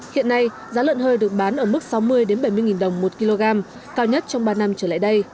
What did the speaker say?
hiện nay giá lợn hơi được bán ở mức sáu mươi bảy mươi đồng một kg cao nhất trong ba năm trở lại đây